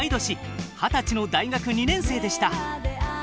二十歳の大学２年生でした。